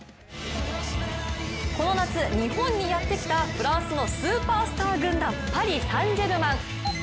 この夏、日本にやってきたフランスのスーパースター軍団、パリ・サン＝ジェルマン。